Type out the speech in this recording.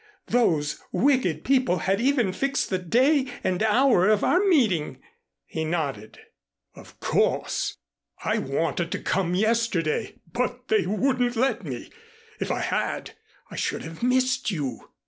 Those wicked people had even fixed the day and hour of our meeting." He nodded. "Of course! I wanted to come yesterday, but they wouldn't let me. If I had I should have missed you."